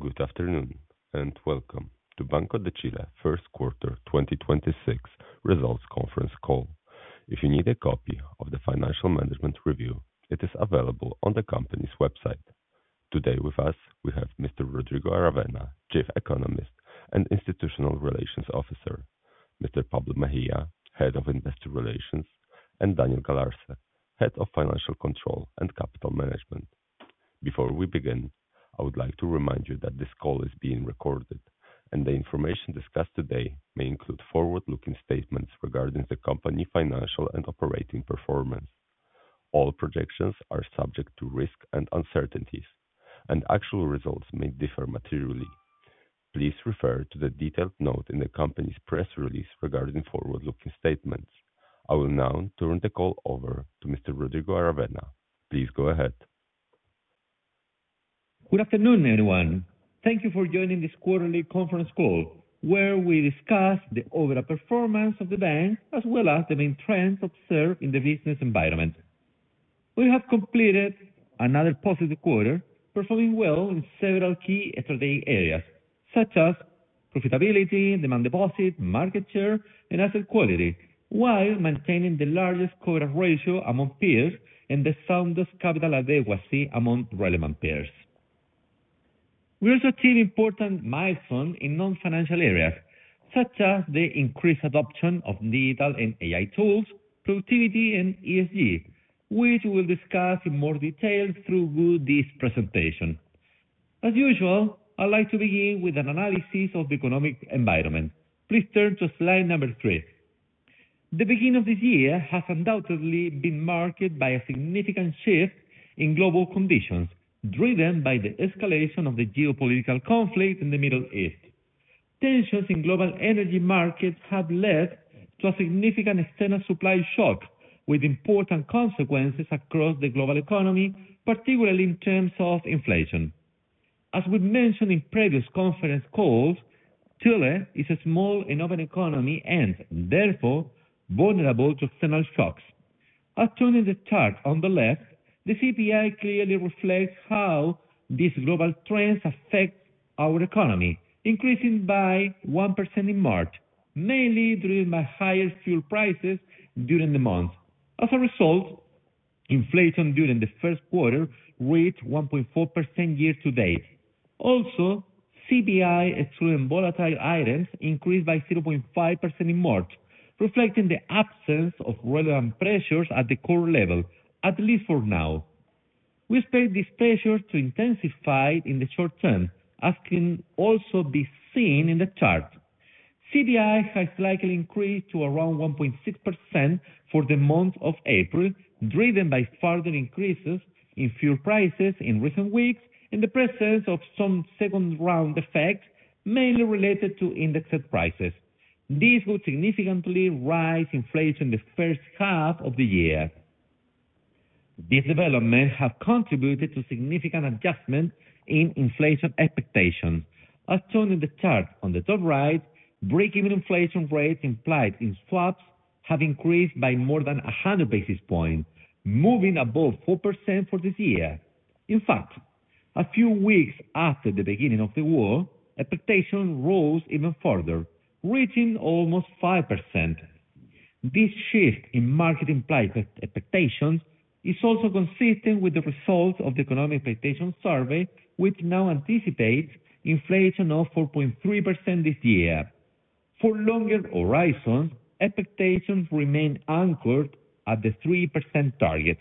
Good afternoon. Welcome to Banco de Chile First Quarter 2026 Results Conference Call. If you need a copy of the financial management review, it is available on the company's website. Today with us we have Mr. Rodrigo Aravena, Chief Economist and Institutional Relations Officer, Mr. Pablo Mejia, Head of Investor Relations, and Daniel Galarce, Head of Financial Control and Capital Management. Before we begin, I would like to remind you that this call is being recorded, and the information discussed today may include forward-looking statements regarding the company financial and operating performance. All projections are subject to risks and uncertainties, and actual results may differ materially. Please refer to the detailed note in the company's press release regarding forward-looking statements. I will now turn the call over to Mr. Rodrigo Aravena. Please go ahead. Good afternoon, everyone. Thank you for joining this quarterly conference call, where we discuss the overall performance of the bank, as well as the main trends observed in the business environment. We have completed another positive quarter, performing well in several key strategic areas, such as profitability, demand deposit, market share, and asset quality, while maintaining the largest coverage ratio among peers and the soundest capital adequacy among relevant peers. We also achieved important milestones in non-financial areas, such as the increased adoption of digital and AI tools, productivity, and ESG, which we'll discuss in more detail throughout this presentation. As usual, I'd like to begin with an analysis of the economic environment. Please turn to slide number three. The beginning of this year has undoubtedly been marked by a significant shift in global conditions, driven by the escalation of the geopolitical conflict in the Middle East. Tensions in global energy markets have led to a significant external supply shock, with important consequences across the global economy, particularly in terms of inflation. As we mentioned in previous conference calls, Chile is a small and open economy and, therefore, vulnerable to external shocks. As shown in the chart on the left, the CPI clearly reflects how these global trends affect our economy, increasing by 1% in March, mainly driven by higher fuel prices during the month. As a result, inflation during the first quarter reached 1.4% year to date. Also, CPI, excluding volatile items, increased by 0.5% in March, reflecting the absence of relevant pressures at the core level, at least for now. We expect these pressures to intensify in the short term, as can also be seen in the chart. CPI has likely increased to around 1.6% for the month of April, driven by further increases in fuel prices in recent weeks and the presence of some second-round effects, mainly related to indexed prices. This would significantly rise inflation in the first half of the year. These developments have contributed to significant adjustment in inflation expectations. As shown in the chart on the top right, break-even inflation rates implied in swaps have increased by more than 100 basis points, moving above 4% for this year. In fact, a few weeks after the beginning of the war, expectation rose even further, reaching almost 5%. This shift in market implied expectations is also consistent with the results of the economic expectations survey, which now anticipates inflation of 4.3% this year. For longer horizons, expectations remain anchored at the 3% target.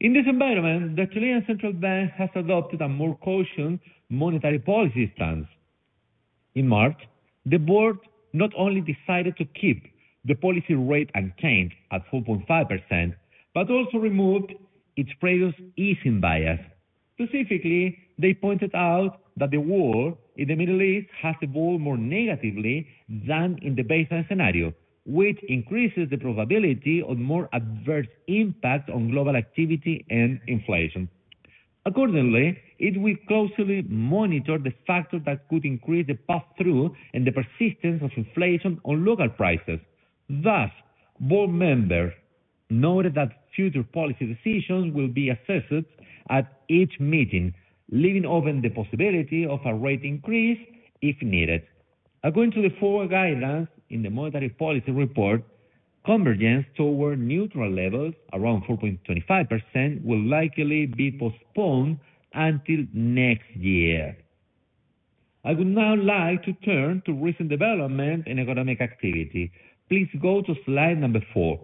In this environment, the Central Bank of Chile has adopted a more cautious monetary policy stance. In March, the board not only decided to keep the policy rate unchanged at 4.5% but also removed its previous easing bias. Specifically, they pointed out that the war in the Middle East has evolved more negatively than in the baseline scenario, which increases the probability of more adverse impact on global activity and inflation. It will closely monitor the factors that could increase the pass-through and the persistence of inflation on local prices. Board members noted that future policy decisions will be assessed at each meeting, leaving open the possibility of a rate increase if needed. According to the forward guidance in the monetary policy report, convergence toward neutral levels, around 4.25%, will likely be postponed until next year. I would now like to turn to recent development in economic activity. Please go to slide number four.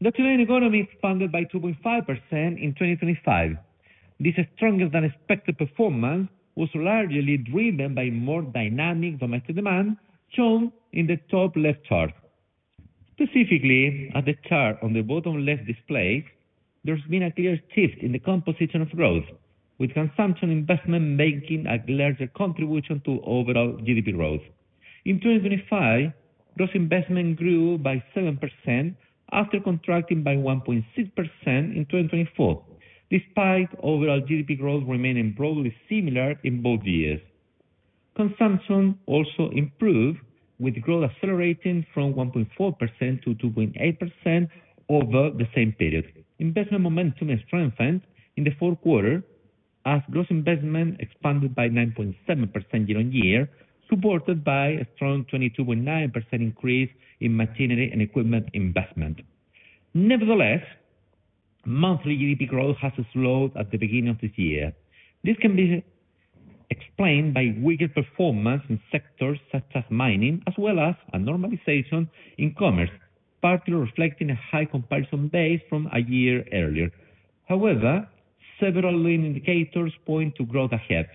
The Chilean economy expanded by 2.5% in 2025. This stronger-than-expected performance was largely driven by more dynamic domestic demand, shown in the top left chart. Specifically, as the chart on the bottom left displays, there's been a clear shift in the composition of growth, with consumption investment making a larger contribution to overall GDP growth. In 2025, gross investment grew by 7% after contracting by 1.6% in 2024, despite overall GDP growth remaining broadly similar in both years. Consumption also improved with growth accelerating from 1.4% to 2.8% over the same period. Investment momentum has strengthened in the fourth quarter as gross investment expanded by 9.7% year-on-year, supported by a strong 22.9% increase in machinery and equipment investment. Nevertheless, monthly GDP growth has slowed at the beginning of this year. This can be explained by weaker performance in sectors such as mining, as well as a normalization in commerce, partly reflecting a high comparison base from a year earlier. However, several leading indicators point to growth ahead.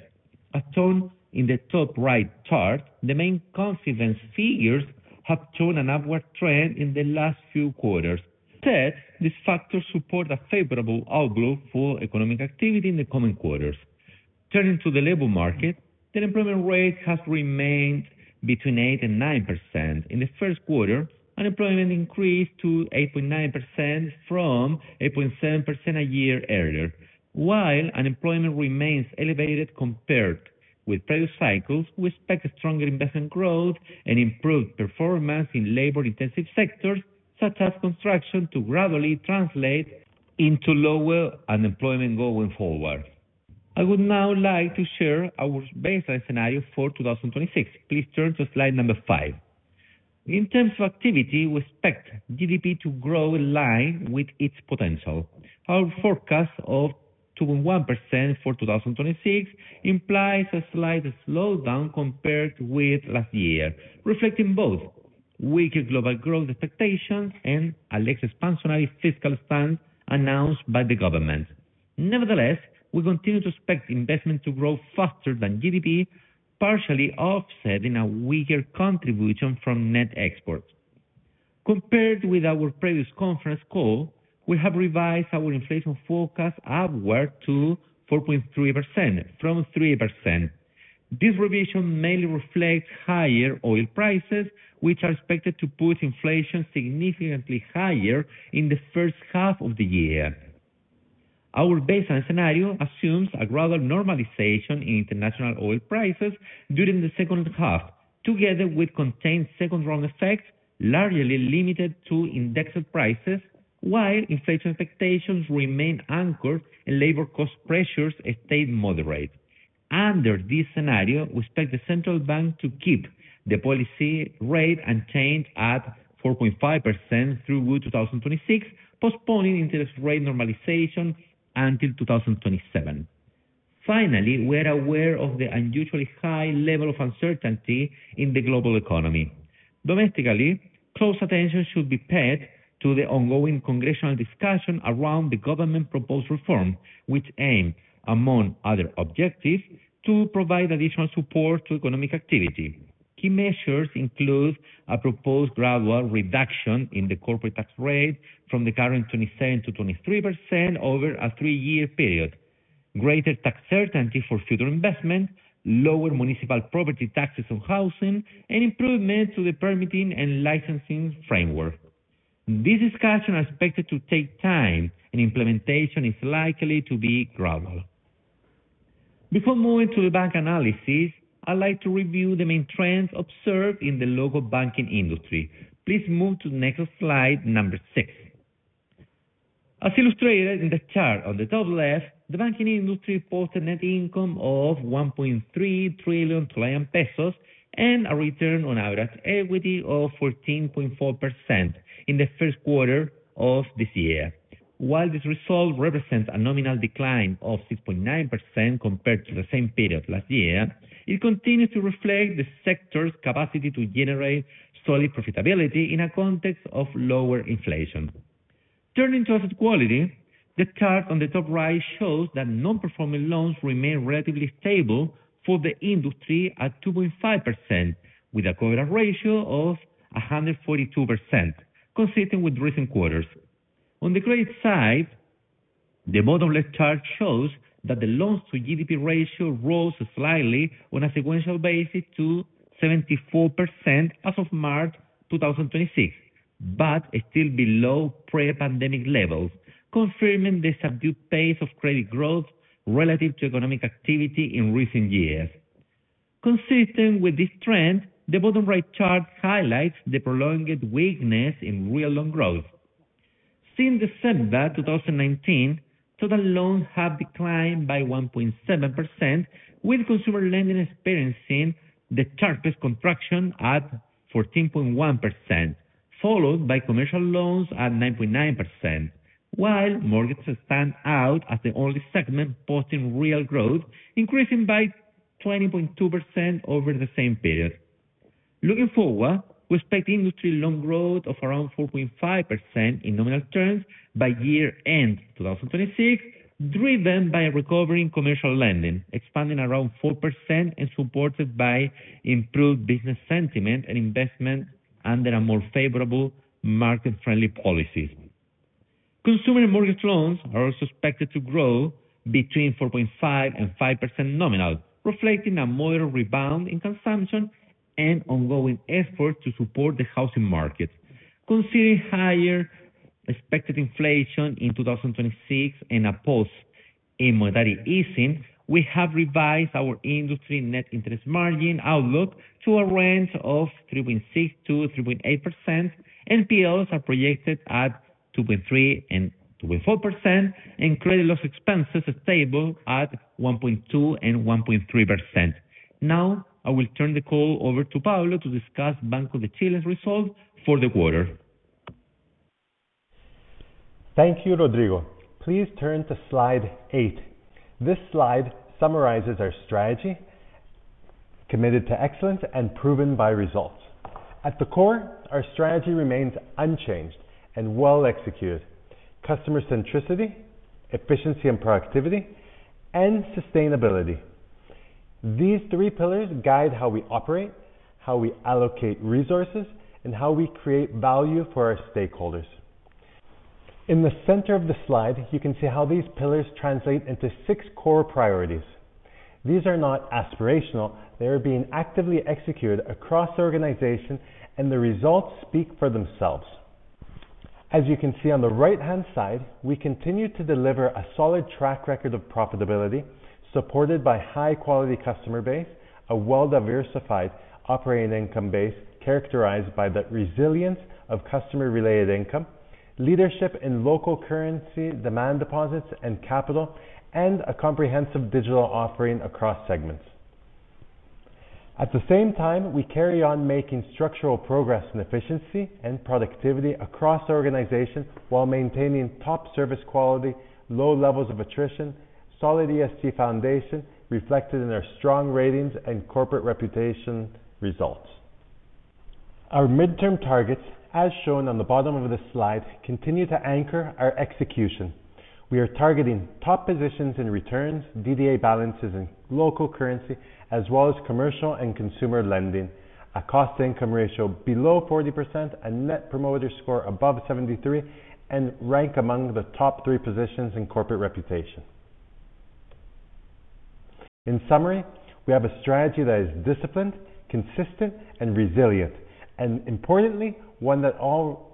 As shown in the top right chart, the main confidence figures have shown an upward trend in the last few quarters. Third, these factors support a favorable outlook for economic activity in the coming quarters. Turning to the labor market, the unemployment rate has remained between 8% and 9%. In the first quarter, unemployment increased to 8.9% from 8.7% a year earlier. While unemployment remains elevated compared with previous cycles, we expect stronger investment growth and improved performance in labor-intensive sectors, such as construction, to gradually translate into lower unemployment going forward. I would now like to share our baseline scenario for 2026. Please turn to slide number five. In terms of activity, we expect GDP to grow in line with its potential. Our forecast of 2.1% for 2026 implies a slight slowdown compared with last year, reflecting both weaker global growth expectations and a less expansionary fiscal stance announced by the government. Nevertheless, we continue to expect investment to grow faster than GDP, partially offsetting a weaker contribution from net exports. Compared with our previous conference call, we have revised our inflation forecast upward to 4.3% from 3%. This revision mainly reflects higher oil prices, which are expected to push inflation significantly higher in the first half of the year. Our baseline scenario assumes a gradual normalization in international oil prices during the second half, together with contained second-round effects largely limited to indexed prices, while inflation expectations remain anchored and labor cost pressures stay moderate. Under this scenario, we expect the Central Bank to keep the policy rate unchanged at 4.5% through 2026, postponing interest rate normalization until 2027. Finally, we are aware of the unusually high level of uncertainty in the global economy. Domestically, close attention should be paid to the ongoing congressional discussion around the government-proposed reform, which aim, among other objectives, to provide additional support to economic activity. Key measures include a proposed gradual reduction in the corporate tax rate from the current 27% to 23% over a three-year period, greater tax certainty for future investment, lower municipal property taxes on housing, and improvements to the permitting and licensing framework. This discussion are expected to take time, and implementation is likely to be gradual. Before moving to the bank analysis, I'd like to review the main trends observed in the local banking industry. Please move to the next slide, number six. As illustrated in the chart on the top left, the banking industry posted net income of 1.3 trillion and a return on average equity of 14.4% in the first quarter of this year. While this result represents a nominal decline of 6.9% compared to the same period last year, it continues to reflect the sector's capacity to generate solid profitability in a context of lower inflation. Turning to asset quality, the chart on the top right shows that non-performing loans remain relatively stable for the industry at 2.5%, with a coverage ratio of 142%, consistent with recent quarters. On the credit side, the bottom left chart shows that the loans to GDP ratio rose slightly on a sequential basis to 74% as of March 2026, but still below pre-pandemic levels, confirming the subdued pace of credit growth relative to economic activity in recent years. Consistent with this trend, the bottom right chart highlights the prolonged weakness in real loan growth. Since December 2019, total loans have declined by 1.7%, with consumer lending experiencing the sharpest contraction at 14.1%, followed by commercial loans at 9.9%, while mortgages stand out as the only segment posting real growth, increasing by 20.2% over the same period. Looking forward, we expect industry loan growth of around 4.5% in nominal terms by year-end 2026, driven by a recovery in commercial lending, expanding around 4% and supported by improved business sentiment and investment under a more favorable market-friendly policies. Consumer mortgage loans are also expected to grow between 4.5% and 5% nominal, reflecting a moderate rebound in consumption and ongoing effort to support the housing market. Considering higher expected inflation in 2026 and a pause in monetary easing, we have revised our industry net interest margin outlook to a range of 3.6%-3.8%. NPLs are projected at 2.3% and 2.4%, and credit loss expenses are stable at 1.2% and 1.3%. Now I will turn the call over to Pablo to discuss Banco de Chile's results for the quarter. Thank you, Rodrigo. Please turn to slide eight. This slide summarizes our strategy, committed to excellence and proven by results. At the core, our strategy remains unchanged and well-executed. Customer centricity, efficiency and productivity, and sustainability. These three pillars guide how we operate, how we allocate resources, and how we create value for our stakeholders. In the center of the slide, you can see how these pillars translate into six core priorities. These are not aspirational, they are being actively executed across the organization, and the results speak for themselves. As you can see on the right-hand side, we continue to deliver a solid track record of profitability supported by high-quality customer base, a well-diversified operating income base characterized by the resilience of customer-related income, leadership in local currency, demand deposits and capital, and a comprehensive digital offering across segments. At the same time, we carry on making structural progress in efficiency and productivity across the organization while maintaining top service quality, low levels of attrition, solid ESG foundation reflected in our strong ratings and corporate reputation results. Our midterm targets, as shown on the bottom of the slide, continue to anchor our execution. We are targeting top positions in returns, DDA balances in local currency as well as commercial and consumer lending, a cost-income ratio below 40%, a Net Promoter Score above 73, and rank among the top three positions in corporate reputation. In summary, we have a strategy that is disciplined, consistent and resilient, importantly, one that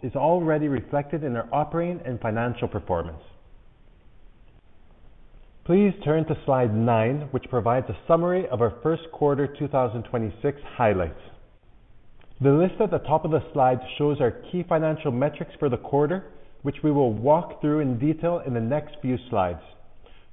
is already reflected in our operating and financial performance. Please turn to slide nine, which provides a summary of our first quarter 2026 highlights. The list at the top of the slide shows our key financial metrics for the quarter, which we will walk through in detail in the next few slides.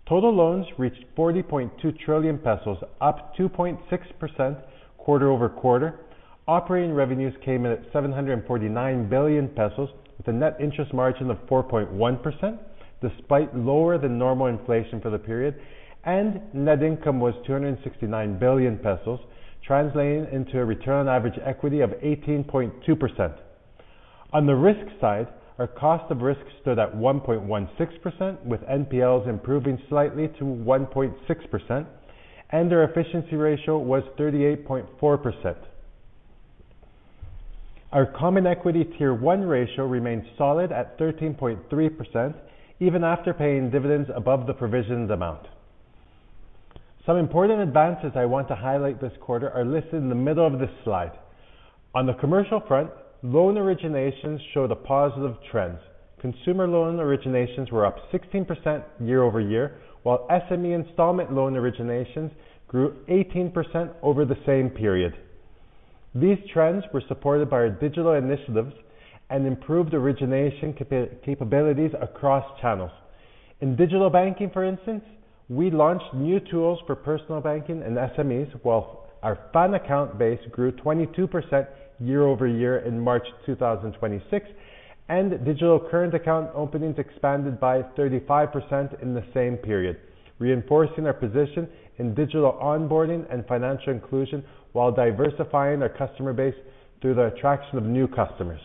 Total loans reached 40.2 trillion pesos, up 2.6% quarter-over-quarter. Operating revenues came in at 749 billion pesos, with a net interest margin of 4.1% despite lower than normal inflation for the period. Net income was 269 billion pesos, translating into a return on average equity of 18.2%. On the risk side, our cost of risk stood at 1.16%, with NPLs improving slightly to 1.6%. Our efficiency ratio was 38.4%. Our Common Equity Tier 1 ratio remains solid at 13.3% even after paying dividends above the provisions amount. Some important advances I want to highlight this quarter are listed in the middle of this slide. On the commercial front, loan originations show the positive trends. Consumer loan originations were up 16% year-over-year, while SME installment loan originations grew 18% over the same period. These trends were supported by our digital initiatives and improved origination capabilities across channels. In digital banking, for instance, we launched new tools for personal banking and SMEs, while our FAN Account base grew 22% year-over-year in March 2026, and digital current account openings expanded by 35% in the same period, reinforcing our position in digital onboarding and financial inclusion while diversifying our customer base through the attraction of new customers.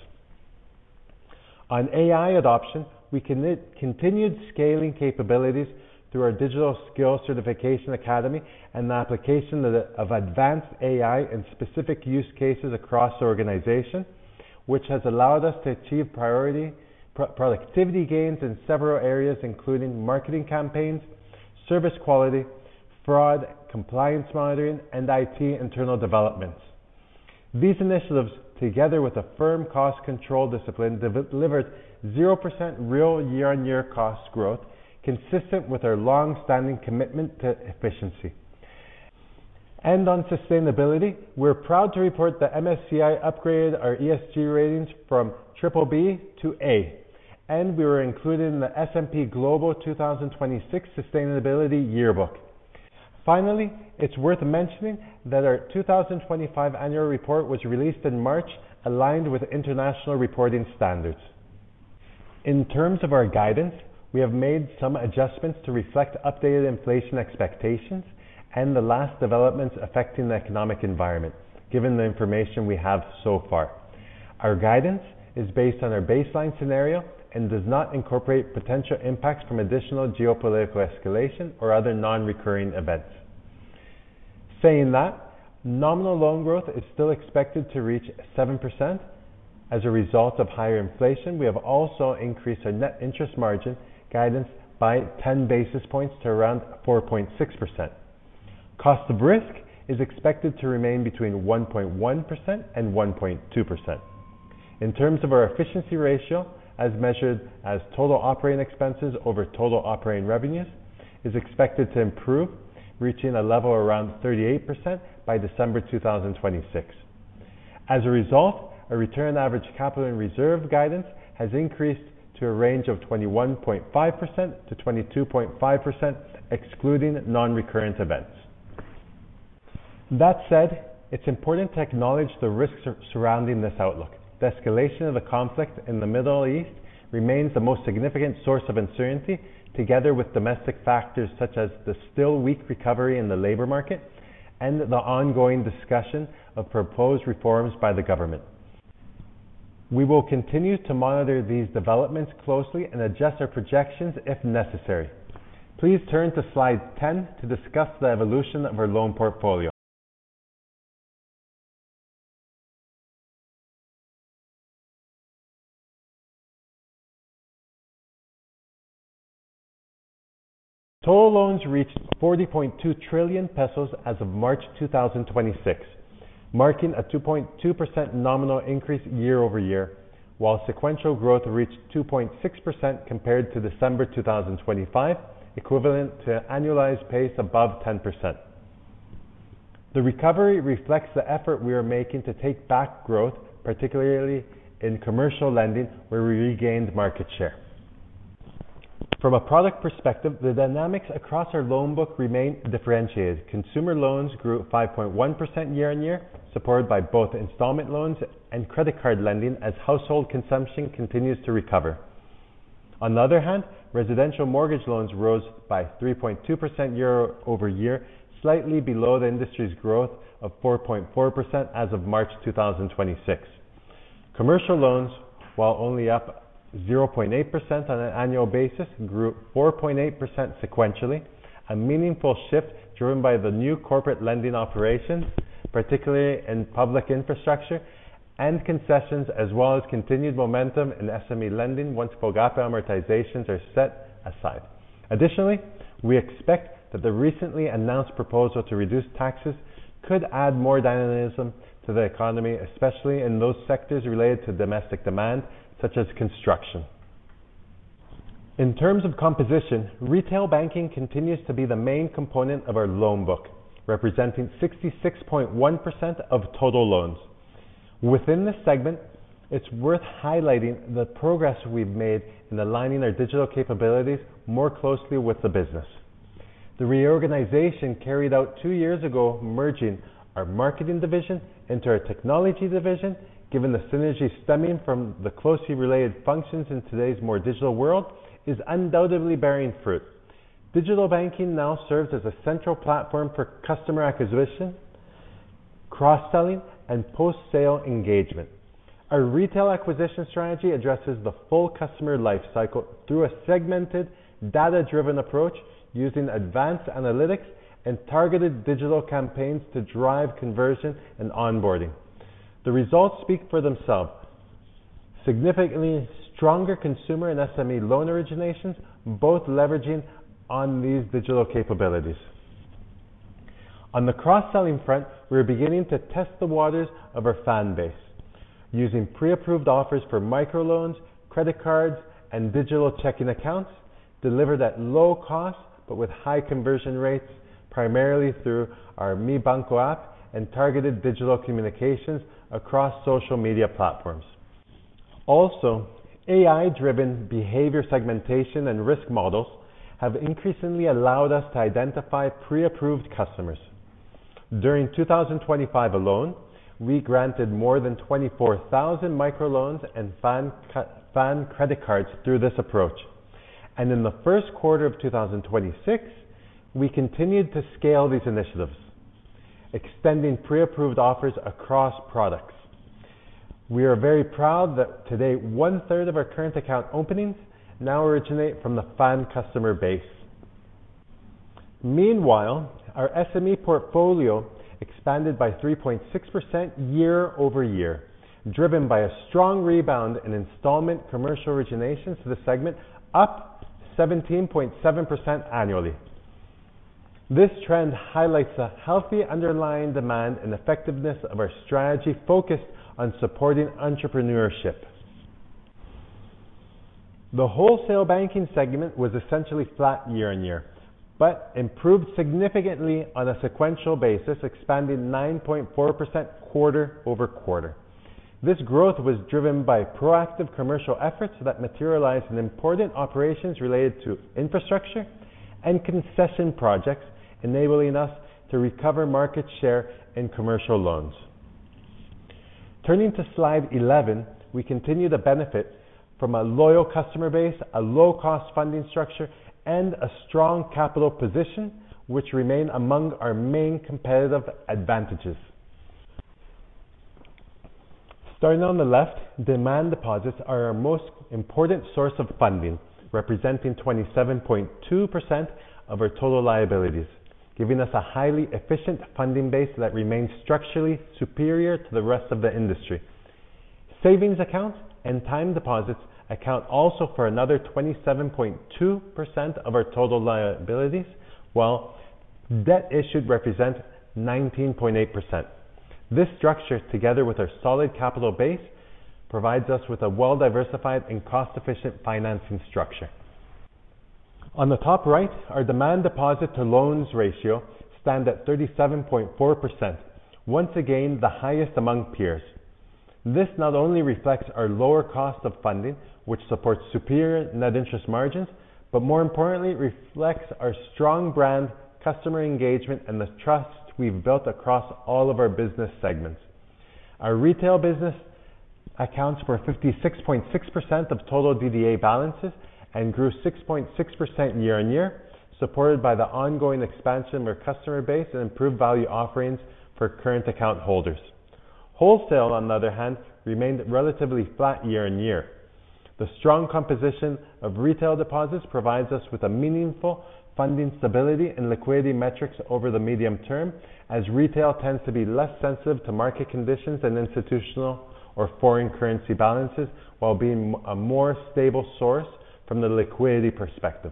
On AI adoption, we continued scaling capabilities through our digital skill certification academy and the application of advanced AI and specific use cases across the organization, which has allowed us to achieve priority productivity gains in several areas, including marketing campaigns, service quality, fraud, compliance monitoring, and IT internal developments. These initiatives, together with a firm cost control discipline, delivered 0% real year-on-year cost growth, consistent with our long-standing commitment to efficiency. On sustainability, we're proud to report that MSCI upgraded our ESG ratings from BBB to A, and we were included in the S&P Global 2026 Sustainability Yearbook. Finally, it's worth mentioning that our 2025 annual report was released in March aligned with international reporting standards. In terms of our guidance, we have made some adjustments to reflect updated inflation expectations and the last developments affecting the economic environment, given the information we have so far. Our guidance is based on our baseline scenario and does not incorporate potential impacts from additional geopolitical escalation or other non-recurring events. Saying that, nominal loan growth is still expected to reach 7% as a result of higher inflation. We have also increased our net interest margin guidance by 10 basis points to around 4.6%. Cost of risk is expected to remain between 1.1% and 1.2%. In terms of our efficiency ratio, as measured as total operating expenses over total operating revenues, is expected to improve, reaching a level around 38% by December 2026. As a result, a return average capital and reserve guidance has increased to a range of 21.5%-22.5%, excluding non-recurrent events. It's important to acknowledge the risks surrounding this outlook. The escalation of the conflict in the Middle East remains the most significant source of uncertainty, together with domestic factors such as the still weak recovery in the labor market and the ongoing discussion of proposed reforms by the government. We will continue to monitor these developments closely and adjust our projections if necessary. Please turn to slide 10 to discuss the evolution of our loan portfolio. Total loans reached 40.2 trillion pesos as of March 2026, marking a 2.2% nominal increase year-over-year, while sequential growth reached 2.6% compared to December 2025, equivalent to annualized pace above 10%. The recovery reflects the effort we are making to take back growth, particularly in commercial lending, where we regained market share. From a product perspective, the dynamics across our loan book remain differentiated. Consumer loans grew 5.1% year-on-year, supported by both installment loans and credit card lending as household consumption continues to recover. On the other hand, residential mortgage loans rose by 3.2% year-over-year, slightly below the industry's growth of 4.4% as of March 2026. Commercial loans, while only up 0.8% on an annual basis, grew 4.8% sequentially, a meaningful shift driven by the new corporate lending operations, particularly in public infrastructure and concessions, as well as continued momentum in SME lending once FOGAPE amortizations are set aside. Additionally, we expect that the recently announced proposal to reduce taxes could add more dynamism to the economy, especially in those sectors related to domestic demand, such as construction. In terms of composition, retail banking continues to be the main component of our loan book, representing 66.1% of total loans. Within this segment, it's worth highlighting the progress we've made in aligning our digital capabilities more closely with the business. The reorganization carried out two years ago, merging our marketing division into our technology division, given the synergy stemming from the closely related functions in today's more digital world, is undoubtedly bearing fruit. Digital banking now serves as a central platform for customer acquisition, cross-selling, and post-sale engagement. Our retail acquisition strategy addresses the full customer life cycle through a segmented data-driven approach using advanced analytics and targeted digital campaigns to drive conversion and onboarding. The results speak for themselves, significantly stronger consumer and SME loan originations, both leveraging on these digital capabilities. On the cross-selling front, we are beginning to test the waters of our FAN base using pre-approved offers for microloans, credit cards, and digital checking accounts delivered at low cost but with high conversion rates, primarily through our Mi Banco app and targeted digital communications across social media platforms. Also, AI-driven behavior segmentation and risk models have increasingly allowed us to identify pre-approved customers. During 2025 alone, we granted more than 24,000 microloans and FAN credit cards through this approach. In the first quarter of 2026, we continued to scale these initiatives, extending pre-approved offers across products. We are very proud that today one-third of our current account openings now originate from the FAN customer base. Our SME portfolio expanded by 3.6% year-over-year, driven by a strong rebound in installment commercial originations to the segment, up 17.7% annually. This trend highlights the healthy underlying demand and effectiveness of our strategy focused on supporting entrepreneurship. The wholesale banking segment was essentially flat year-over-year, but improved significantly on a sequential basis, expanding 9.4% quarter-over-quarter. This growth was driven by proactive commercial efforts that materialized in important operations related to infrastructure and concession projects, enabling us to recover market share in commercial loans. Turning to slide 11, we continue to benefit from a loyal customer base, a low cost funding structure, and a strong capital position, which remain among our main competitive advantages. Starting on the left, demand deposits are our most important source of funding, representing 27.2% of our total liabilities, giving us a highly efficient funding base that remains structurally superior to the rest of the industry. Savings accounts and time deposits account also for another 27.2% of our total liabilities, while debt issued represents 19.8%. This structure, together with our solid capital base, provides us with a well-diversified and cost-efficient financing structure. On the top right, our demand deposit to loans ratio stand at 37.4%, once again, the highest among peers. This not only reflects our lower cost of funding, which supports superior net interest margins, but more importantly, reflects our strong brand customer engagement and the trust we've built across all of our business segments. Our retail business accounts for 56.6% of total DDA balances and grew 6.6% year-on-year, supported by the ongoing expansion of our customer base and improved value offerings for current account holders. Wholesale, on the other hand, remained relatively flat year-on-year. The strong composition of retail deposits provides us with a meaningful funding stability and liquidity metrics over the medium term as retail tends to be less sensitive to market conditions and institutional or foreign currency balances while being a more stable source from the liquidity perspective.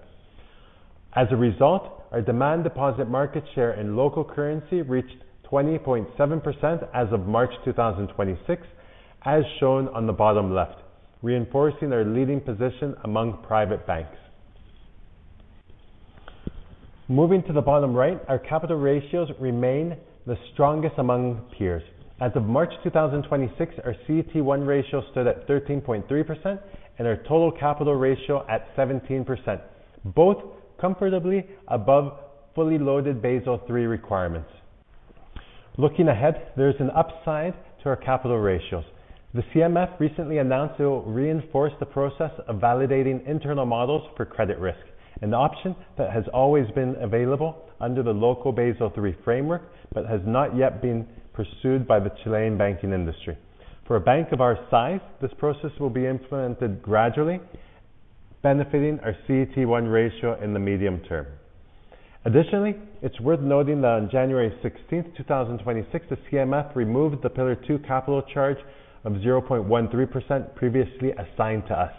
As a result, our demand deposit market share in local currency reached 20.7% as of March 2026, as shown on the bottom left, reinforcing our leading position among private banks. Moving to the bottom right, our capital ratios remain the strongest among peers. As of March 2026, our CET1 ratio stood at 13.3% and our total capital ratio at 17%, both comfortably above fully loaded Basel III requirements. Looking ahead, there's an upside to our capital ratios. The CMF recently announced it will reinforce the process of validating internal models for credit risk, an option that has always been available under the local Basel III framework, but has not yet been pursued by the Chilean banking industry. For a bank of our size, this process will be implemented gradually, benefiting our CET1 ratio in the medium term. Additionally, it's worth noting that on January 16, 2026, the CMF removed the Pillar 2 capital charge of 0.13% previously assigned to us,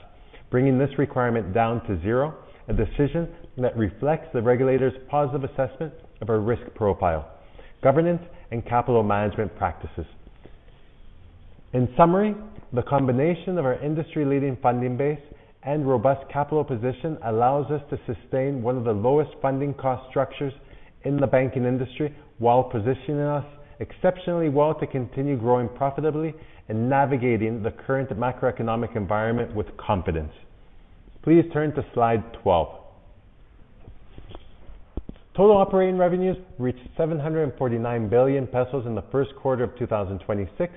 bringing this requirement down to zero, a decision that reflects the regulator's positive assessment of our risk profile, governance, and capital management practices. In summary, the combination of our industry-leading funding base and robust capital position allows us to sustain one of the lowest funding cost structures in the banking industry while positioning us exceptionally well to continue growing profitably and navigating the current macroeconomic environment with confidence. Please turn to slide 12. Total operating revenues reached 749 billion pesos in the first quarter of 2026,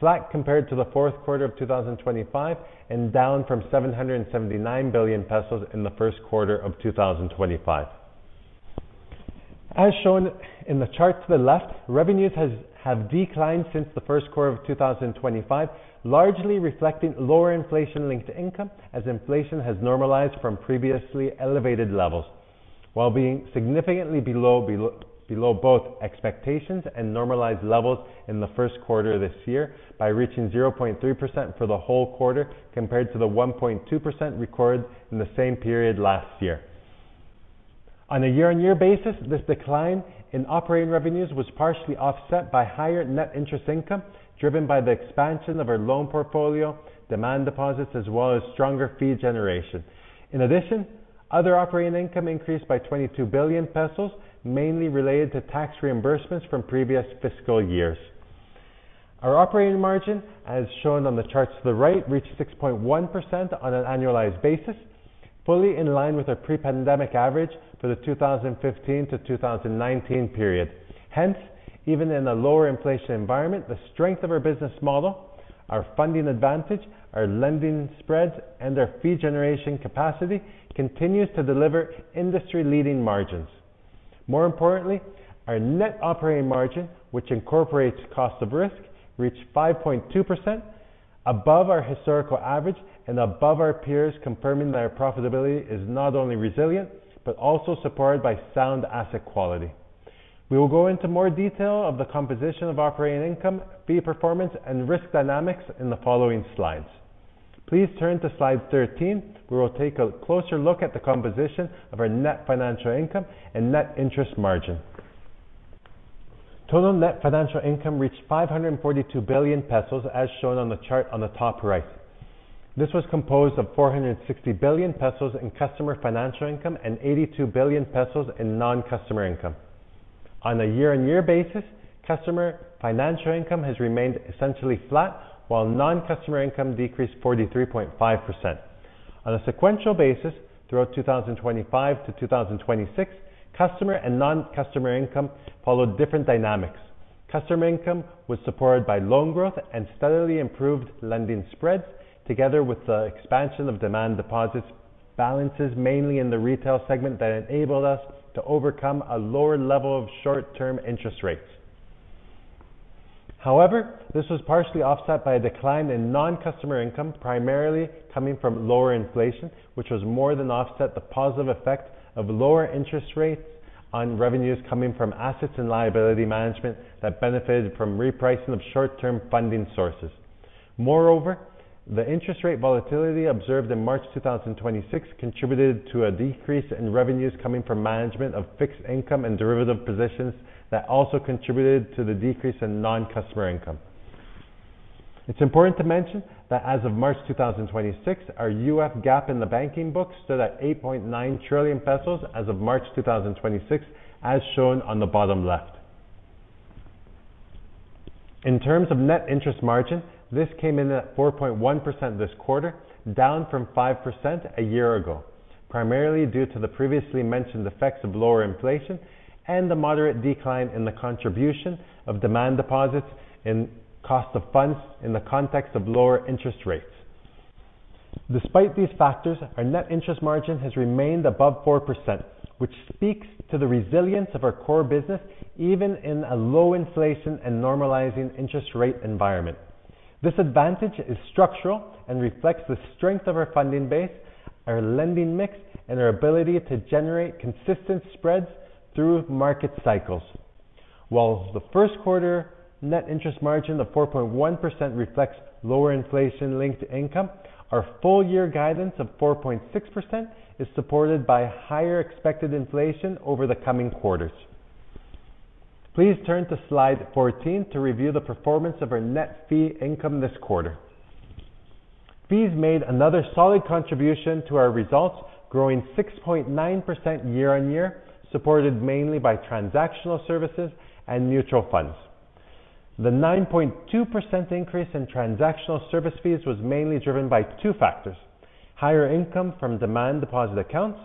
flat compared to the fourth quarter of 2025 and down from 779 billion pesos in the first quarter of 2025. As shown in the chart to the left, revenues have declined since the first quarter of 2025, largely reflecting lower inflation linked income as inflation has normalized from previously elevated levels, while being significantly below both expectations and normalized levels in the first quarter this year by reaching 0.3% for the whole quarter compared to the 1.2% recorded in the same period last year. On a year-on-year basis, this decline in operating revenues was partially offset by higher net interest income driven by the expansion of our loan portfolio, demand deposits, as well as stronger fee generation. In addition, other operating income increased by 22 billion pesos, mainly related to tax reimbursements from previous fiscal years. Our operating margin, as shown on the charts to the right, reached 6.1% on an annualized basis, fully in line with our pre-pandemic average for the 2015 to 2019 period. Even in a lower inflation environment, the strength of our business model, our funding advantage, our lending spreads, and our fee generation capacity continues to deliver industry-leading margins. More importantly, our net operating margin, which incorporates cost of risk, reached 5.2% above our historical average and above our peers, confirming that our profitability is not only resilient, but also supported by sound asset quality. We will go into more detail of the composition of operating income, fee performance, and risk dynamics in the following slides. Please turn to slide 13. We will take a closer look at the composition of our net financial income and net interest margin. Total net financial income reached 542 billion pesos, as shown on the chart on the top right. This was composed of 460 billion pesos in customer financial income and 82 billion pesos in non-customer income. On a year-over-year basis, customer financial income has remained essentially flat while non-customer income decreased 43.5%. On a sequential basis, throughout 2025 to 2026, customer and non-customer income followed different dynamics. Customer income was supported by loan growth and steadily improved lending spreads, together with the expansion of demand deposits balances mainly in the retail segment that enabled us to overcome a lower level of short-term interest rates. However, this was partially offset by a decline in non-customer income, primarily coming from lower inflation, which was more than offset the positive effect of lower interest rates on revenues coming from assets and liability management that benefited from repricing of short-term funding sources. Moreover, the interest rate volatility observed in March 2026 contributed to a decrease in revenues coming from management of fixed income and derivative positions that also contributed to the decrease in non-customer income. It's important to mention that as of March 2026, our UF gap in the banking books stood at 8.9 trillion pesos as of March 2026, as shown on the bottom left. In terms of net interest margin, this came in at 4.1% this quarter, down from 5% a year ago, primarily due to the previously mentioned effects of lower inflation and the moderate decline in the contribution of demand deposits in cost of funds in the context of lower interest rates. Despite these factors, our net interest margin has remained above 4%, which speaks to the resilience of our core business even in a low inflation and normalizing interest rate environment. This advantage is structural and reflects the strength of our funding base, our lending mix, and our ability to generate consistent spreads through market cycles. While the first quarter net interest margin of 4.1% reflects lower inflation-linked income, our full year guidance of 4.6% is supported by higher expected inflation over the coming quarters. Please turn to slide 14 to review the performance of our net fee income this quarter. Fees made another solid contribution to our results, growing 6.9% year-on-year, supported mainly by transactional services and mutual funds. The 9.2% increase in transactional service fees was mainly driven by two factors: higher income from demand deposit accounts,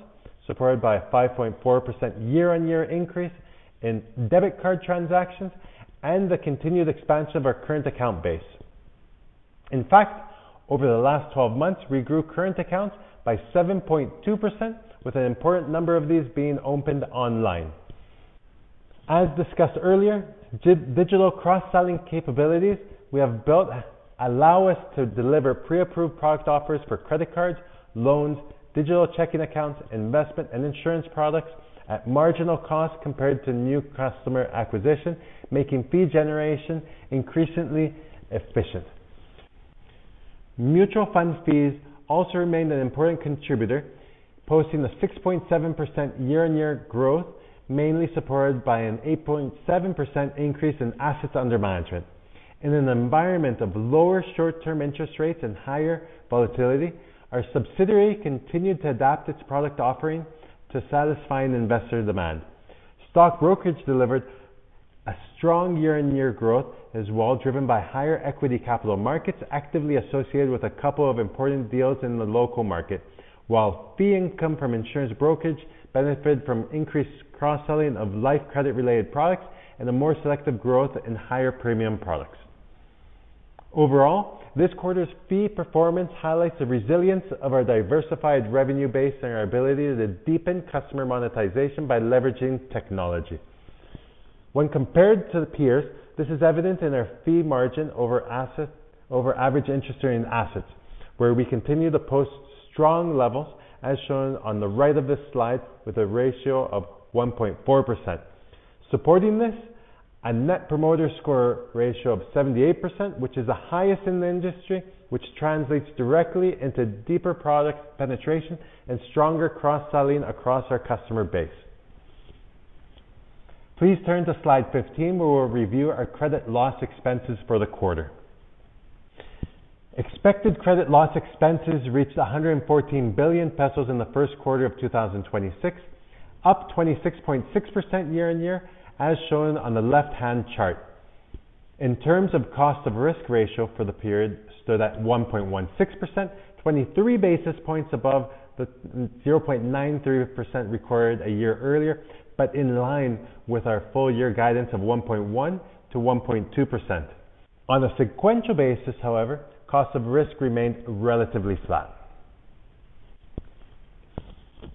supported by a 5.4% year-on-year increase in debit card transactions, and the continued expansion of our current account base. In fact, over the last 12 months, we grew current accounts by 7.2%, with an important number of these being opened online. As discussed earlier, digital cross-selling capabilities we have built allow us to deliver pre-approved product offers for credit cards, loans, digital checking accounts, investment, and insurance products at marginal cost compared to new customer acquisition, making fee generation increasingly efficient. Mutual fund fees also remained an important contributor, posting a 6.7% year-on-year growth, mainly supported by an 8.7 increase in assets under management. In an environment of lower short-term interest rates and higher volatility, our subsidiary continued to adapt its product offering to satisfy an investor demand. Stock brokerage delivered a strong year-on-year growth as well, driven by higher equity capital markets actively associated with a couple of important deals in the local market, while fee income from insurance brokerage benefited from increased cross-selling of life credit-related products and a more selective growth in higher premium products. Overall, this quarter's fee performance highlights the resilience of our diversified revenue base and our ability to deepen customer monetization by leveraging technology. When compared to the peers, this is evident in our fee margin over average interest rate in assets, where we continue to post strong levels, as shown on the right of this slide, with a ratio of 1.4%. Supporting this, a Net Promoter Score ratio of 78%, which is the highest in the industry, which translates directly into deeper product penetration and stronger cross-selling across our customer base. Please turn to slide 15, where we'll review our credit loss expenses for the quarter. Expected credit loss expenses reached 114 billion pesos in the first quarter of 2026, up 26.6% year-on-year, as shown on the left-hand chart. In terms of cost of risk ratio for the period, stood at 1.16%, 23 basis points above the 0.93% recorded a year earlier, in line with our full year guidance of 1.1%-1.2%. On a sequential basis, however, cost of risk remained relatively flat.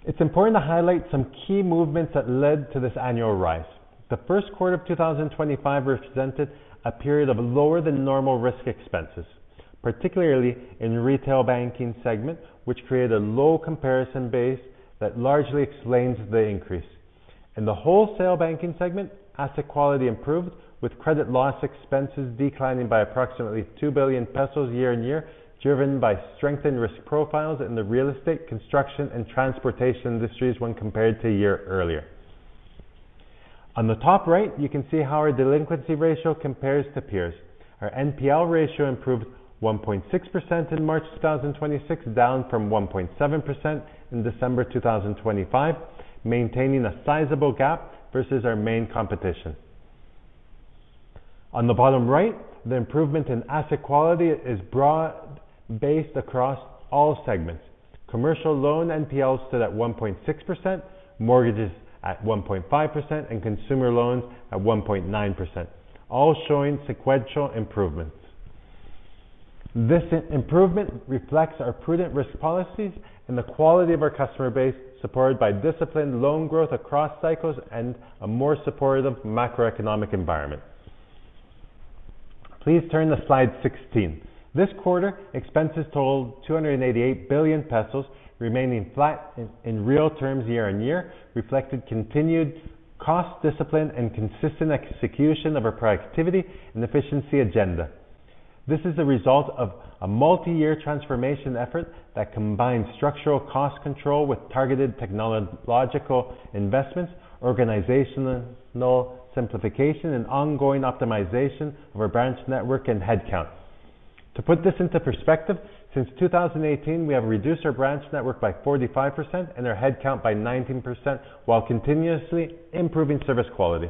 It is important to highlight some key movements that led to this annual rise. The first quarter of 2025 represented a period of lower than normal risk expenses, particularly in retail banking segment, which created a low comparison base that largely explains the increase. In the wholesale banking segment, asset quality improved, with credit loss expenses declining by approximately 2 billion pesos year-on-year, driven by strengthened risk profiles in the real estate, construction, and transportation industries when compared to a year earlier. On the top right, you can see how our delinquency ratio compares to peers. Our NPL ratio improved 1.6% in March 2026, down from 1.7% in December 2025, maintaining a sizable gap versus our main competition. On the bottom right, the improvement in asset quality is broad-based across all segments. Commercial loan NPLs stood at 1.6%, mortgages at 1.5%, and consumer loans at 1.9%, all showing sequential improvements. This improvement reflects our prudent risk policies and the quality of our customer base, supported by disciplined loan growth across cycles and a more supportive macroeconomic environment. Please turn to slide 16. This quarter, expenses totaled 288 billion pesos, remaining flat in real terms year-on-year, reflected continued cost discipline and consistent execution of our productivity and efficiency agenda. This is the result of a multi-year transformation effort that combines structural cost control with targeted technological investments, organizational simplification, and ongoing optimization of our branch network and headcount. To put this into perspective, since 2018, we have reduced our branch network by 45% and our headcount by 19% while continuously improving service quality.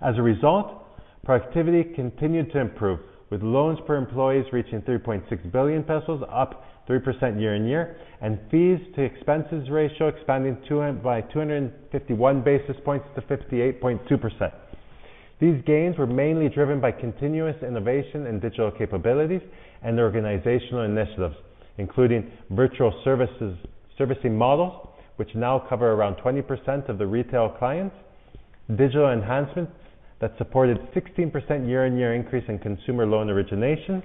As a result, productivity continued to improve, with loans per employees reaching 3.6 billion pesos, up 3% year-on-year, and fees to expenses ratio expanding by 251 basis points to 58.2%. These gains were mainly driven by continuous innovation in digital capabilities and organizational initiatives, including virtual services, servicing models, which now cover around 20% of the retail clients, digital enhancements that supported 16% year-on-year increase in consumer loan originations.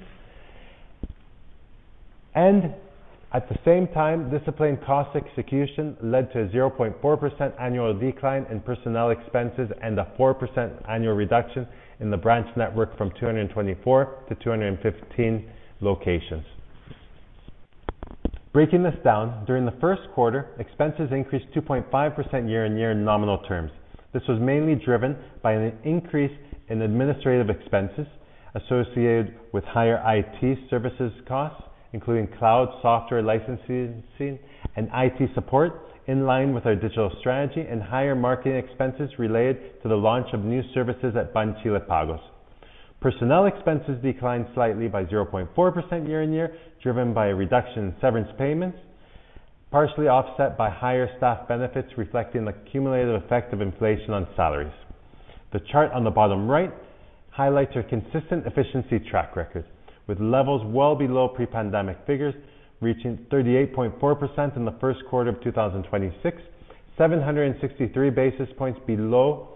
At the same time, disciplined cost execution led to a 0.4% annual decline in personnel expenses and a 4% annual reduction in the branch network from 224 to 215 locations. Breaking this down, during the first quarter, expenses increased 2.5% year-on-year in nominal terms. This was mainly driven by an increase in administrative expenses associated with higher IT services costs, including cloud software licensing and IT support in line with our digital strategy and higher marketing expenses related to the launch of new services at Banchile Pagos. Personnel expenses declined slightly by 0.4% year-over-year, driven by a reduction in severance payments, partially offset by higher staff benefits reflecting the cumulative effect of inflation on salaries. The chart on the bottom right highlights our consistent efficiency track record, with levels well below pre-pandemic figures reaching 38.4% in the first quarter of 2026, 763 basis points below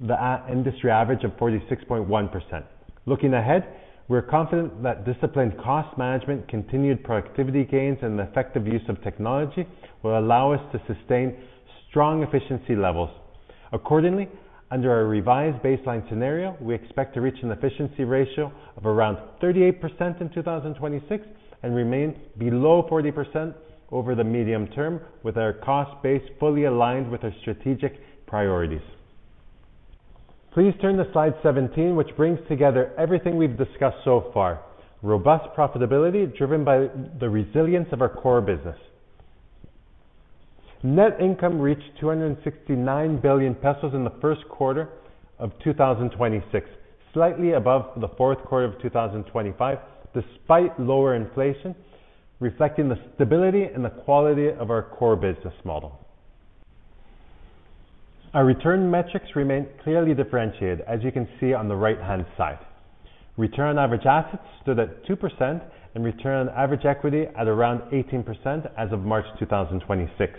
the industry average of 46.1%. Looking ahead, we're confident that disciplined cost management, continued productivity gains and effective use of technology will allow us to sustain strong efficiency levels. Accordingly, under our revised baseline scenario, we expect to reach an efficiency ratio of around 38% in 2026 and remain below 40% over the medium term with our cost base fully aligned with our strategic priorities. Please turn to slide 17, which brings together everything we've discussed so far. Robust profitability driven by the resilience of our core business. Net income reached 269 billion pesos in the first quarter of 2026, slightly above the fourth quarter of 2025, despite lower inflation, reflecting the stability and the quality of our core business model. Our return metrics remain clearly differentiated, as you can see on the right-hand side. Return on average assets stood at 2% and return on average equity at around 18% as of March 2026.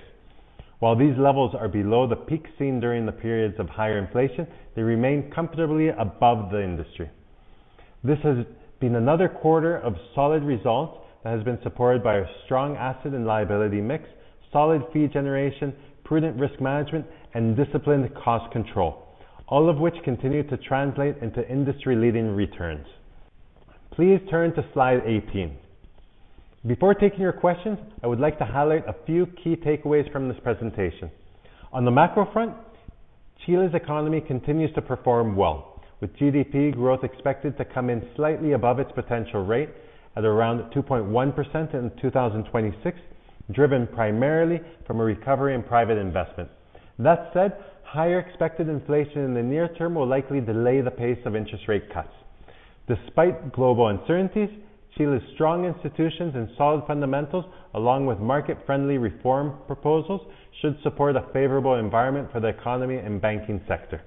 While these levels are below the peak seen during the periods of higher inflation, they remain comfortably above the industry. This has been another quarter of solid results that has been supported by a strong asset and liability mix, solid fee generation, prudent risk management, and disciplined cost control, all of which continue to translate into industry-leading returns. Please turn to slide 18. Before taking your questions, I would like to highlight a few key takeaways from this presentation. On the macro front, Chile's economy continues to perform well, with GDP growth expected to come in slightly above its potential rate at around 2.1% in 2026, driven primarily from a recovery in private investment. That said, higher expected inflation in the near term will likely delay the pace of interest rate cuts. Despite global uncertainties, Chile's strong institutions and solid fundamentals, along with market-friendly reform proposals, should support a favorable environment for the economy and banking sector.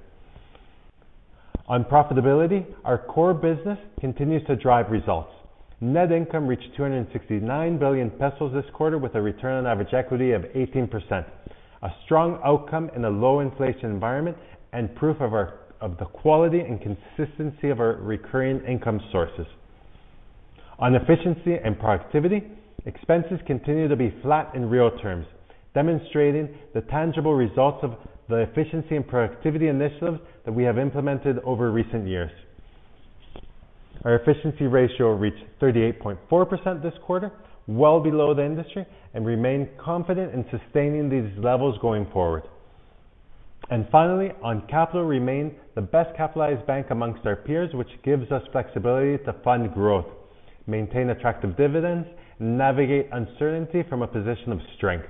On profitability, our core business continues to drive results. Net income reached 269 billion pesos this quarter with a return on average equity of 18%. A strong outcome in a low inflation environment and proof of the quality and consistency of our recurring income sources. On efficiency and productivity, expenses continue to be flat in real terms, demonstrating the tangible results of the efficiency and productivity initiatives that we have implemented over recent years. Our efficiency ratio reached 38.4% this quarter, well below the industry, and remain confident in sustaining these levels going forward. Finally, on capital remain the best capitalized bank amongst our peers, which gives us flexibility to fund growth, maintain attractive dividends and navigate uncertainty from a position of strength.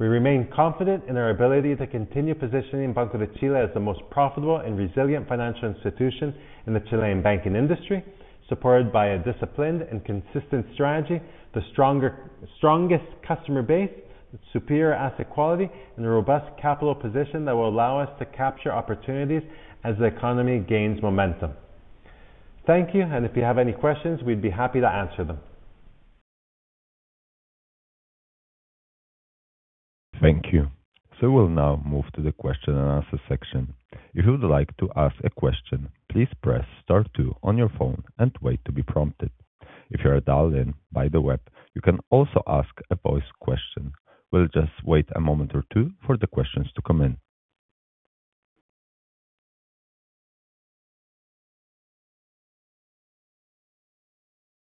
We remain confident in our ability to continue positioning Banco de Chile as the most profitable and resilient financial institution in the Chilean banking industry, supported by a disciplined and consistent strategy, the strongest customer base, superior asset quality and a robust capital position that will allow us to capture opportunities as the economy gains momentum. Thank you. If you have any questions, we'd be happy to answer them. Thank you. We'll now move to the question and answer section. If you would like to ask a question, please press star two on your phone and wait to be prompted. If you are dialed in by the web, you can also ask a voice question. We'll just wait a moment or two for the questions to come in.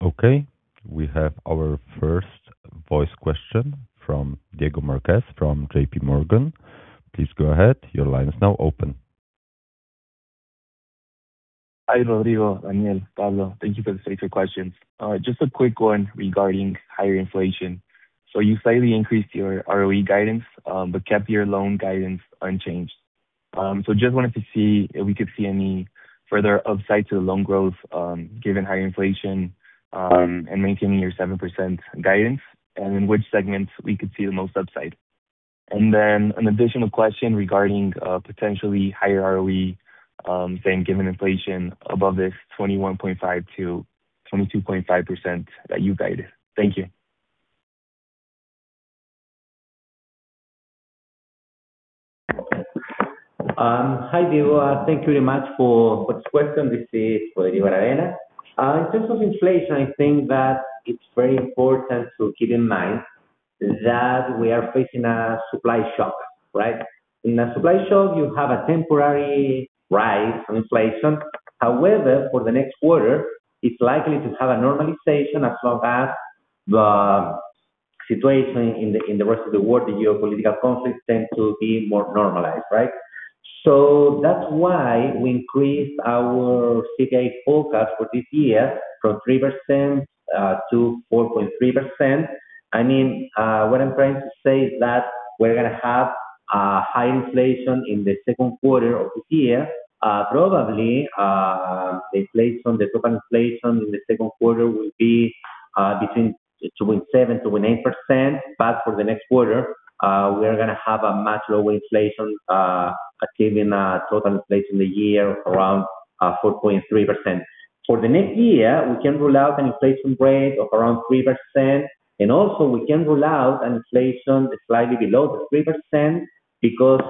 Okay. We have our first voice question from Diego Márquez from JPMorgan. Please go ahead. Your line is now open. Hi, Rodrigo, Daniel, Pablo. Thank you for taking the questions. Just a quick one regarding higher inflation. You slightly increased your ROE guidance, but kept your loan guidance unchanged. Just wanted to see if we could see any further upside to the loan growth, given high inflation, and maintaining your 7% guidance, and in which segments we could see the most upside. An additional question regarding potentially higher ROE, saying given inflation above this 21.5%-22.5% that you guided. Thank you. Hi, Diego. Thank you very much for this question. This is Rodrigo Aravena. In terms of inflation, I think that it's very important to keep in mind that we are facing a supply shock, right? In a supply shock, you have a temporary rise of inflation. However, for the next quarter, it's likely to have a normalization as long as the situation in the rest of the world, the geopolitical conflict tend to be more normalized, right? That's why we increased our CPI forecast for this year from 3% to 4.3%. I mean, what I'm trying to say is that we're gonna have a high inflation in the second quarter of the year. Probably, inflation, the total inflation in the second quarter will be between 7%-8%. For the next quarter, we are gonna have a much lower inflation, achieving a total inflation in the year around 4.3%. For the next year, we can rule out an inflation rate of around 3%. Also, we can rule out an inflation slightly below the 3% because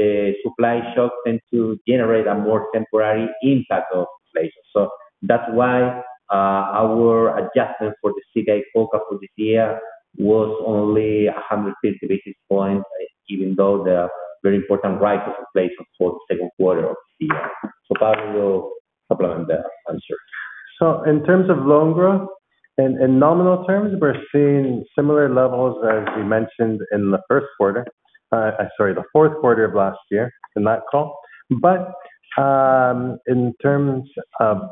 the supply shock tend to generate a more temporary impact of inflation. That's why our adjustment for the CPI forecast for this year was only 150 basis points, even though the very important rise of inflation for the second quarter of this year. Pablo will supplement that answer. In terms of loan growth, in nominal terms, we're seeing similar levels as we mentioned in the first quarter, sorry, the fourth quarter of last year in that call. In terms of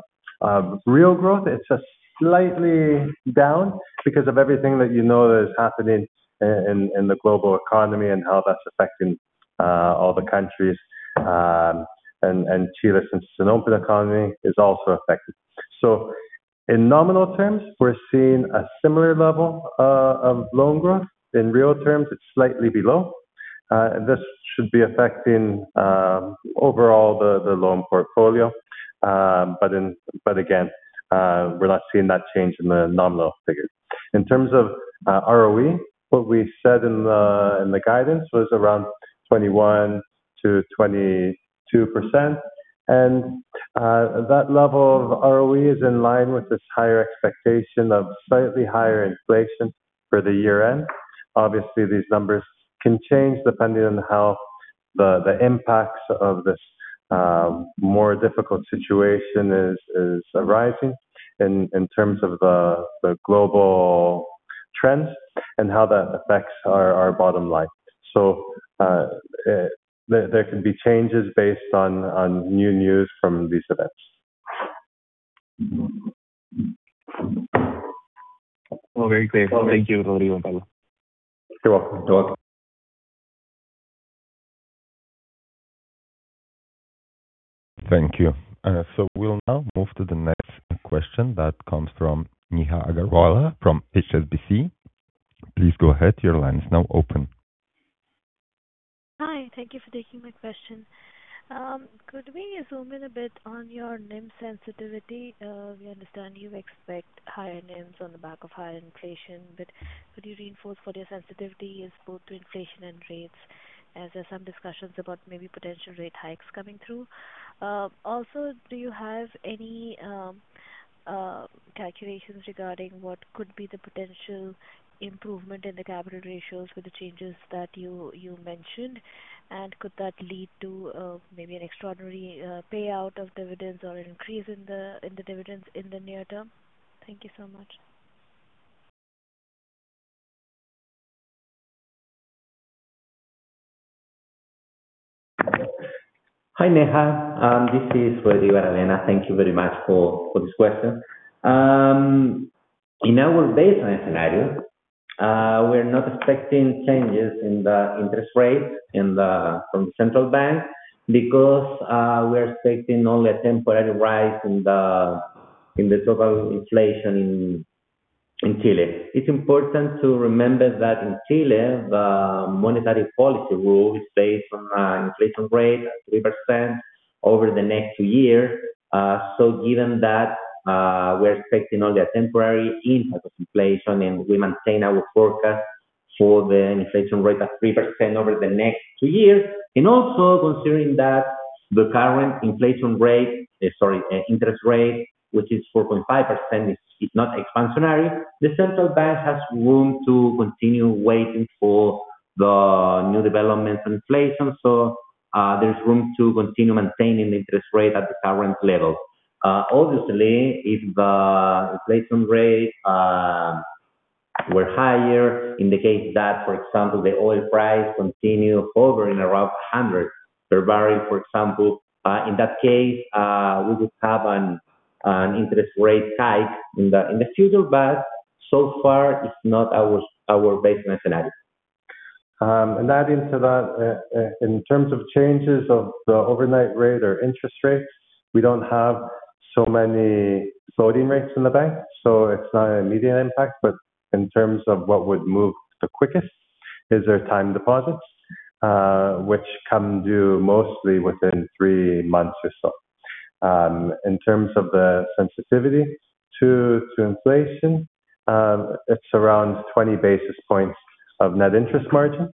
real growth, it's just slightly down because of everything that you know is happening in the global economy and how that's affecting all the countries. Chile since it's an open economy, is also affected. In nominal terms, we're seeing a similar level of loan growth. In real terms, it's slightly below. This should be affecting overall the loan portfolio. Again, we're not seeing that change in the nominal figures. In terms of ROE, what we said in the guidance was around 21%-22%. That level of ROE is in line with this higher expectation of slightly higher inflation for the year-end. Obviously, these numbers can change depending on how the impacts of this more difficult situation is arising in terms of the global trends and how that affects our bottom line. There could be changes based on new news from these events. All very clear. Thank you, Rodrigo and Pablo. You're welcome. Thank you. We'll now move to the next question that comes from Neha Agarwala from HSBC. Please go ahead. Your line is now open. Hi. Thank you for taking my question. Could we zoom in a bit on your NIM sensitivity? We understand you expect higher NIMs on the back of higher inflation, but could you reinforce what your sensitivity is both to inflation and rates, as there are some discussions about maybe potential rate hikes coming through? Also, do you have any calculations regarding what could be the potential improvement in the capital ratios with the changes that you mentioned? Could that lead to maybe an extraordinary payout of dividends or an increase in the dividends in the near term? Thank you so much. Hi, Neha. This is Rodrigo Aravena. Thank you very much for this question. In our baseline scenario, we're not expecting changes in the interest rate from Central Bank because we are expecting only a temporary rise in the total inflation in Chile. It's important to remember that in Chile, the monetary policy rule is based on an inflation rate at 3% over the next two years. Given that, we're expecting only a temporary impact of inflation, and we maintain our forecast for the inflation rate at 3% over the next two years. Also considering that the current inflation rate, sorry, interest rate, which is 4.5%, is not expansionary. The Central Bank has room to continue waiting for the new developments on inflation, there's room to continue maintaining the interest rate at the current level. Obviously, if the inflation rate were higher, indicate that, for example, the oil price continue hovering around 100 per barrel, for example. In that case, we would have an interest rate hike in the future. So far it's not our base scenario. Adding to that, in terms of changes of the overnight rate or interest rates, we don't have so many floating rates in the bank, it's not an immediate impact. In terms of what would move the quickest is their time deposits, which come due mostly within three months or so. In terms of the sensitivity to inflation, it's around 20 basis points of net interest margin.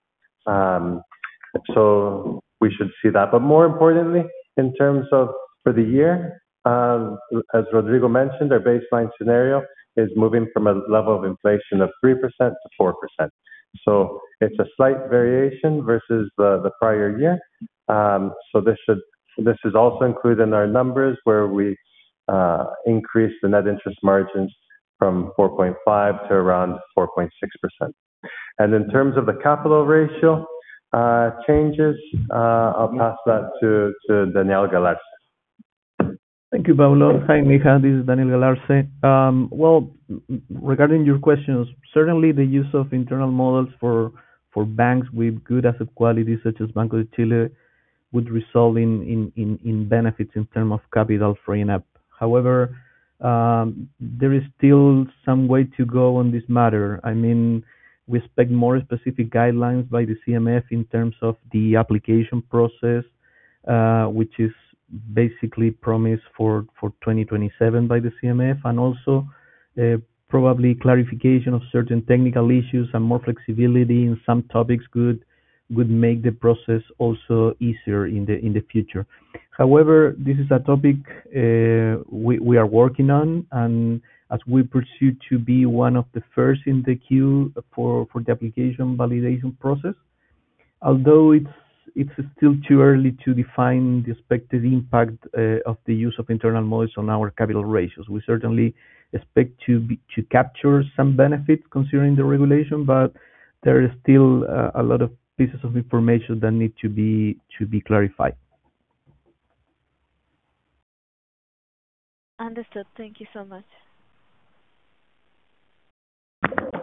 We should see that. More importantly, in terms of for the year, as Rodrigo mentioned, our baseline scenario is moving from a level of inflation of 3%, 4%. It's a slight variation versus the prior year. This is also included in our numbers, where we increase the net interest margins from 4.5% to around 4.6%. In terms of the capital ratio, changes, I'll pass that to Daniel Galarce. Thank you, Pablo. Hi, Neha. This is Daniel Galarce. Well, regarding your questions, certainly the use of internal models for banks with good asset quality such as Banco de Chile would result in benefits in terms of capital freeing up. However, there is still some way to go on this matter. I mean, we expect more specific guidelines by the CMF in terms of the application process, which is basically promised for 2027 by the CMF, and also, probably clarification of certain technical issues and more flexibility in some topics could make the process also easier in the future. However, this is a topic we are working on, and as we pursue to be one of the first in the queue for the application validation process. Although it's still too early to define the expected impact of the use of internal models on our capital ratios. We certainly expect to capture some benefits considering the regulation, but there is still a lot of pieces of information that need to be clarified. Understood. Thank you so much.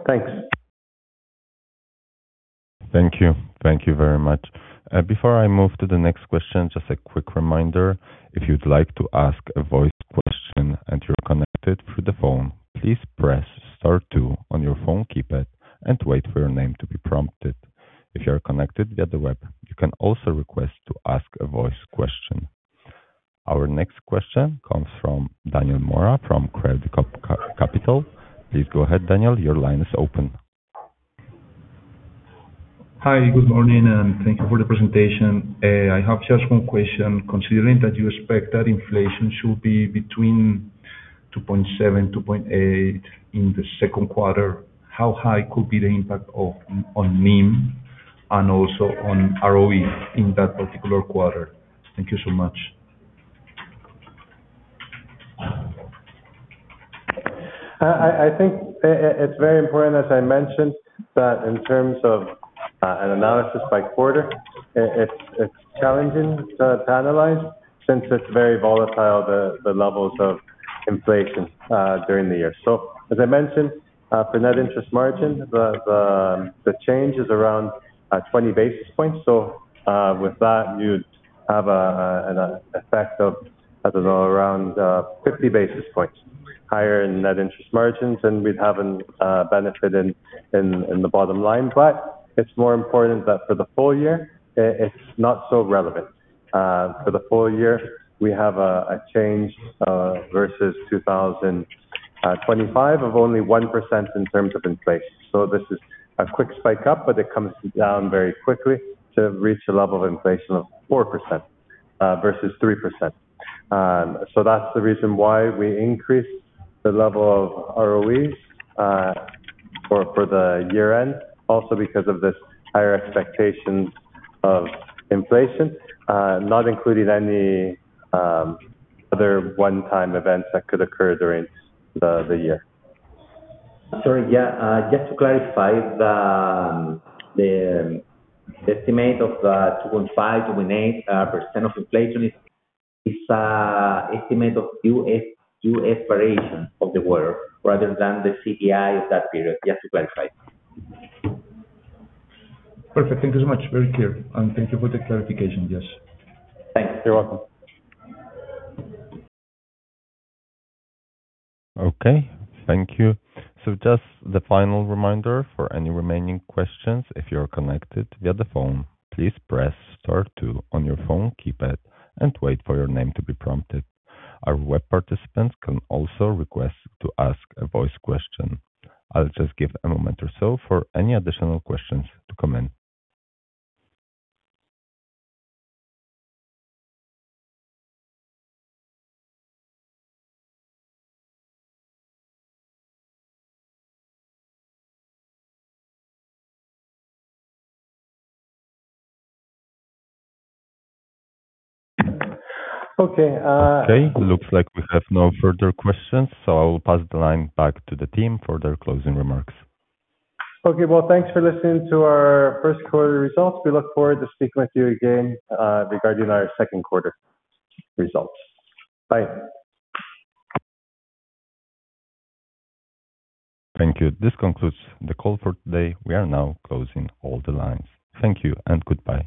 Thanks. Thank you. Thank you very much. Before I move to the next question, just a quick reminder. If you'd like to ask a voice question and you're connected through the phone, please press star two on your phone keypad and wait for your name to be prompted. If you are connected via the web, you can also request to ask a voice question. Our next question comes from Daniel Mora from Credicorp Capital. Please go ahead, Daniel. Your line is open. Hi. Good morning, and thank you for the presentation. I have just one question. Considering that you expect that inflation should be between 2.7%, 2.8% in the second quarter, how high could be the impact of, on NIM and also on ROE in that particular quarter? Thank you so much. I think it's very important, as I mentioned, that in terms of an analysis by quarter, it's challenging to analyze since it's very volatile, the levels of inflation during the year. As I mentioned, for net interest margin, the change is around 20 basis points. With that, you'd have an effect of, I don't know, around 50 basis points higher in net interest margins than we'd have in benefit in the bottom line. It's more important that for the full year, it's not so relevant. For the full year, we have a change versus 2025 of only 1% in terms of inflation. This is a quick spike up, but it comes down very quickly to reach a level of inflation of 4% versus 3%. That's the reason why we increased the level of ROE for the year-end, also because of this higher expectations of inflation, not including any other one-time events that could occur during the year. Sorry. Yeah, just to clarify, the estimate of 2.5%-2.8% of inflation is a estimate of UF variation of the quarter rather than the CPI of that period. Just to clarify. Perfect. Thank you so much. Very clear. Thank you for the clarification. Yes. Thanks. You're welcome. Okay. Thank you. Just the final reminder for any remaining questions, if you are connected via the phone, please press star two on your phone keypad and wait for your name to be prompted. Our web participants can also request to ask a voice question. I'll just give a moment or so for any additional questions to come in. Okay. Okay. Looks like we have no further questions. I will pass the line back to the team for their closing remarks. Well, thanks for listening to our first quarter results. We look forward to speaking with you again regarding our second quarter results. Bye. Thank you. This concludes the call for today. We are now closing all the lines. Thank you and goodbye.